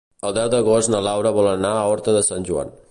El deu d'agost na Laura vol anar a Horta de Sant Joan.